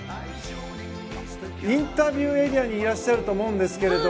インタビューエリアにいらっしゃると思いますが。